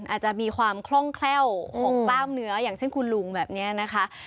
อาจจะมีความคล่องแคล่วของกล้ามเนื้ออย่างเช่นคุณลุงแบบนี้นะคะ